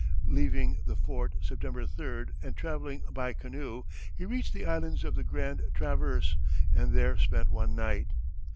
Leaving the Fort, September 3d, and travelling by canoe, he reached the islands of the Grand Traverse, and there spent one night.